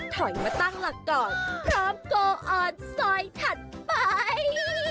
ถอยมาตั้งหลักก่อนพร้อมโกออนซอยถัดไป